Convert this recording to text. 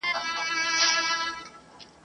کله لس کله پنځلس کله شل وي ..